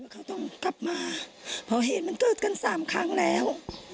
เขาต้องกลับมาเพราะเหตุมันเกิดขึ้น๓ครั้งแล้ว